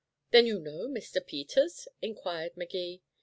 "Then you know Mr. Peters?" inquired Magee.